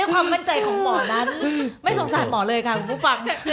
ความมั่นใจของหมอนั้นไม่สงสารหมอเลยค่ะคุณผู้ฟัง